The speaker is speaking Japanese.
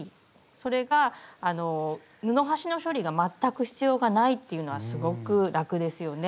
それが布端の処理が全く必要がないっていうのはすごく楽ですよね。